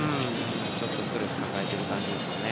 ちょっとストレスを抱えている感じですね。